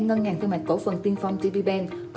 ngân hàng thương mại cổ phần tiên phong tb